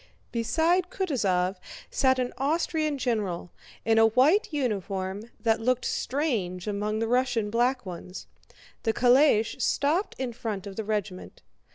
Beside Kutúzov sat an Austrian general, in a white uniform that looked strange among the Russian black ones. The calèche stopped in front of the regiment.